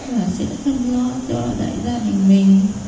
và sẽ thăm lo cho đại gia đình mình